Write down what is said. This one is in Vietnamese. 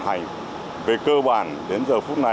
sau hiệu quả tiếng zimmer và l whitening act up tháng cha